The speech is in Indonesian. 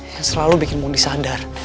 yang selalu bikin mudi sadar